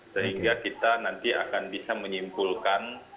sehingga kita nanti akan bisa menyimpulkan